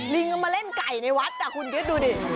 ลิงก็มาเล่นไก่ในวัดคุณคิดดูดิ